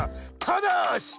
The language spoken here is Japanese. ただし！